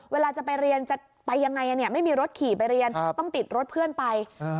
เวลาจะไปเรียนจะไปยังไงไม่มีรถขี่ไปเรียนต้องติดรถเพื่อนไป